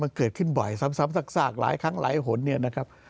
มันเกิดขึ้นบ่อยซ้ำซากหลายครั้งหลายหนเนี่ยนะครับ